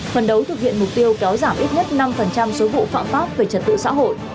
phần đấu thực hiện mục tiêu kéo giảm ít nhất năm số vụ phạm pháp về trật tự xã hội